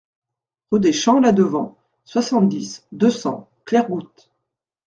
Rue des Champs La Devant, soixante-dix, deux cents Clairegoutte